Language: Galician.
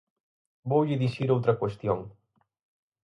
Voulle dicir outra cuestión.